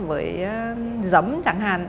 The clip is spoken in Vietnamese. với giấm chẳng hạn